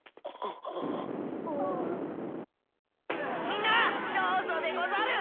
みんなどうぞでござる！